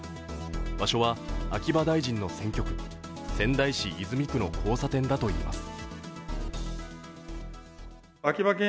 場所は秋葉大臣の選挙区、仙台市泉区の交差点だといいます。